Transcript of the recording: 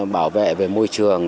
bảo vệ về môi trường